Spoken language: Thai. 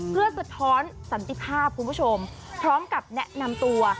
เพื่อสะท้อนสันติภาพคุณผู้ชมพร้อมกับแนะนำตัว